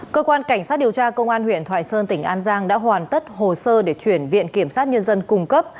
cơ quan cảnh sát điều tra công an huyện thoại sơn tỉnh an giang đã hoàn tất hồ sơ để chuyển viện kiểm sát nhân dân cung cấp